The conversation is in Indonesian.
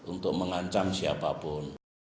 untuk mengancam siapapun